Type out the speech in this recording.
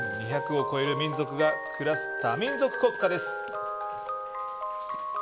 ２００を超える民族が暮らす多民族国家です。